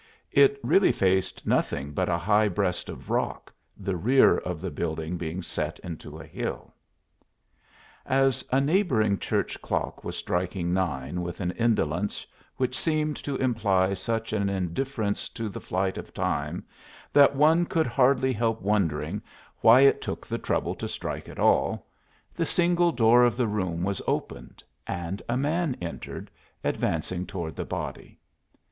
It really faced nothing but a high breast of rock, the rear of the building being set into a hill. As a neighboring church clock was striking nine with an indolence which seemed to imply such an indifference to the flight of time that one could hardly help wondering why it took the trouble to strike at all, the single door of the room was opened and a man entered, advancing toward the body.